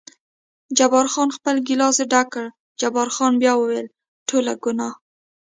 جبار خان خپل ګیلاس ډک کړ، جبار خان بیا وویل: ټوله ګناه.